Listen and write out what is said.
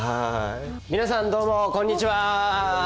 皆さんどうもこんにちは！